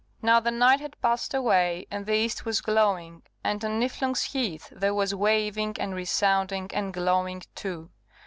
Now the night had passed away, and the east was glowing; and on Niflung's Heath there was waving, and resounding, and glowing too.